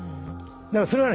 だからそれはね